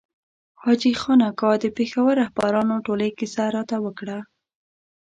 حاجي خان اکا د پېښور رهبرانو ټولۍ کیسه راته وکړه.